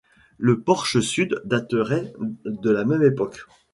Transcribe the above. Le porche sud daterait de la même époque.